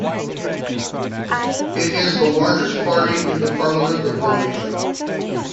It is the largest party in the Parliament of Malaysia.